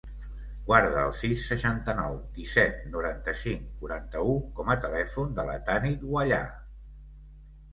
Guarda el sis, seixanta-nou, disset, noranta-cinc, quaranta-u com a telèfon de la Tanit Guallar.